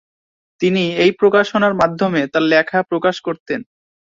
তিনি এই প্রকাশনার মাধ্যমে তার লেখা প্রকাশ করতেন।